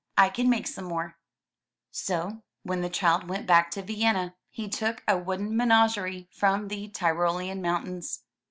I can make some more/' So, when the child went back to Vienna he took a wooden menagerie from the Tyrolean mountains.